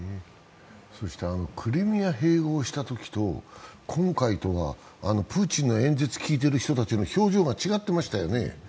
クリミアを併合したときと今回とはプーチンの演説聞いてる人たちの表情が違ってましたよね。